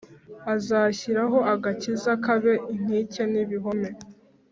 Izashyiraho agakiza kabe inkike n ibihome